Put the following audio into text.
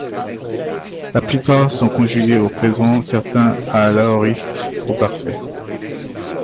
La plupart sont conjugués au présent, certains à l'aoriste, au parfait.